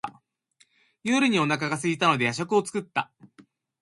夜にお腹がすいたので夜食を作った。